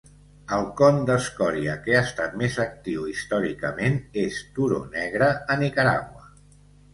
El con d'escòria que ha estat més actiu històricament és Turó Negre a Nicaragua.